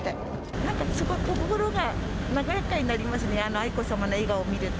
なんかすごく心が和やかになりますね、愛子さまの笑顔を見ると。